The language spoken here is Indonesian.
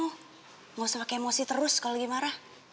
nggak usah pake emosi terus kalau lagi marah